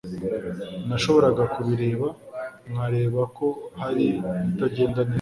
Nashoboraga kubireba nkareba ko hari ibitagenda neza